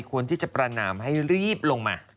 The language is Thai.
ควรที่จะประนามให้รีบลงมา